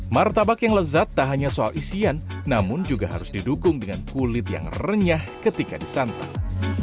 martabak yang lezat tak hanya soal isian namun juga harus didukung dengan kulit yang renyah ketika disantap